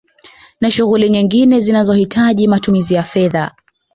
Na shughuli nyingine zinazo hitaji matumizi fedha